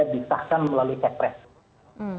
diketahkan melalui cepres